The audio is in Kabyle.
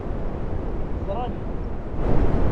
Ḍren.